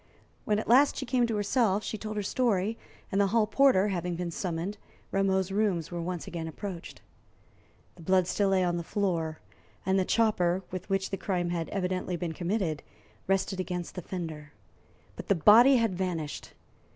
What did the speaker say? When at last she came to herself, she told her story, and, the hall porter having been summoned, Rameau's rooms were again approached. The blood still lay on the floor, and the chopper, with which the crime had evidently been committed, rested against the fender; but the body had vanished!